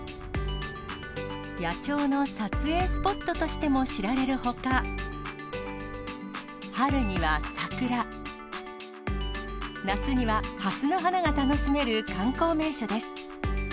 野鳥の撮影スポットとしても知られるほか、春には桜、夏にはハスの花が楽しめる観光名所です。